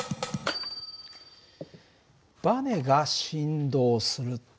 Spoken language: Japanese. バネが振動する。